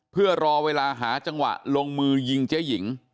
เพื่อรอเวลาหาจังหวะลงมือยิงเจ๊หญิง